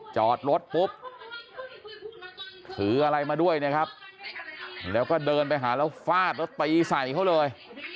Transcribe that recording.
จอดรถปุ๊บถืออะไรมาด้วยนะครับแล้วก็เดินไปหาแล้วฟาดแล้วตีใส่เขาเลย